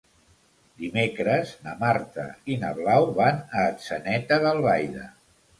Dimecres na Marta i na Blau van a Atzeneta d'Albaida.